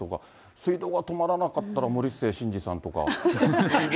水道が止まらなかったら森末しんじさんとか。